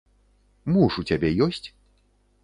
Муж у цябе ёсць?